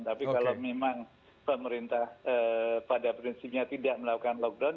tapi kalau memang pemerintah pada prinsipnya tidak melakukan lockdown